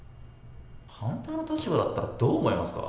反対の立場だったらどう思いますか？